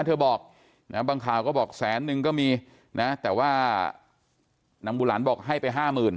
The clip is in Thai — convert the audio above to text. เธอบอกนะบางข่าก็บอกแสนนึงก็มีนะแต่ว่าน้ำบูรรณบอกให้ไป๕๐๐๐๐